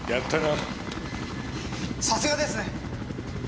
さすがですね！